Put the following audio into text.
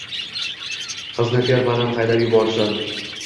Qizni fermadan haydab yuborishadi